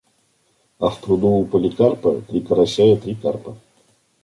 А в пруду у Поликарпа – три карася и три карпа.